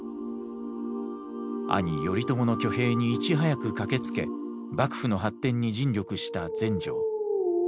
兄頼朝の挙兵にいち早く駆けつけ幕府の発展に尽力した全成。